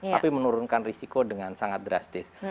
tapi menurunkan risiko dengan sangat drastis